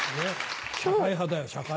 社会派だよ社会派。